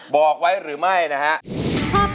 บอกไว้หรือไม่นะฮะ